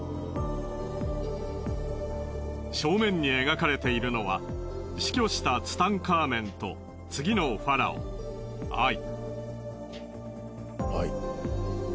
正面に描かれているのは死去したツタンカーメンと次のファラオアイ。